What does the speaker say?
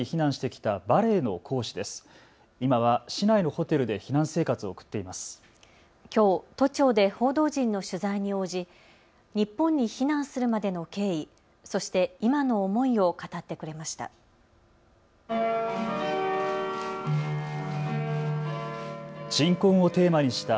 きょう都庁で報道陣の取材に応じ、日本に避難するまでの経緯、そして今の思いを語ってくれました。